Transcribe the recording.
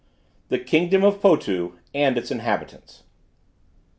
THE KINGDOM OF POTU AND ITS INHABITANTS.